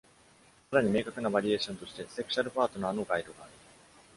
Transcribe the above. さらに明確なバリエーションとしてセクシャルパートナーのガイドがある。